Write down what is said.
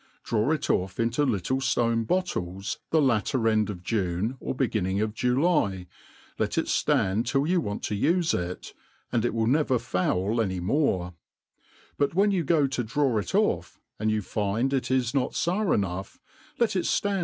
Draw it off into littk ftone bottles the latter end of June or beginning of July, let it ftand till you want to ufe ir, and it will never foul any nnore f but when you go to draw it oflF, and you find it is not fourenoueh, ilet it ftand